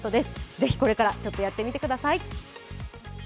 ぜひこれから、ちょっとやってみてくだい。